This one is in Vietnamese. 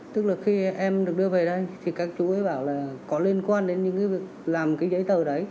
tức là khi em được đưa về đây thì các chú ấy bảo là có liên quan đến những cái việc làm cái giấy tờ đấy